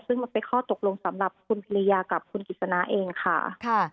ซึ่งมันเป็นข้อตกลงสำหรับคุณภรรยากับคุณกิจสนาเองค่ะ